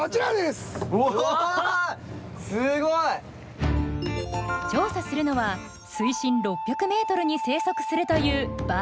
すごい！調査するのは水深６００ｍに生息するというバイ貝。